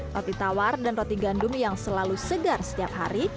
roti tawar dan roti gandum yang selalu segar setiap hari